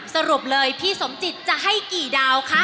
สรุปเลยพี่สมจิตจะให้กี่ดาวคะ